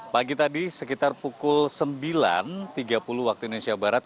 pagi tadi sekitar pukul sembilan tiga puluh waktu indonesia barat